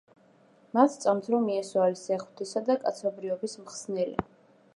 მათ სწამთ რომ იესო არის ძე ღვთისა და კაცობრიობის მხსნელი.